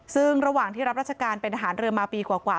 ซึ่งระหว่างที่รับราชการเป็นทหารเรือมาปีกว่า